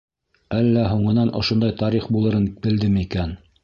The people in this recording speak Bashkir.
Әллә һуңынан ошондай тарих булырын белдеме икән?